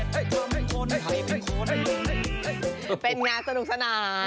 เป็นอย่างไรสนุกสนาน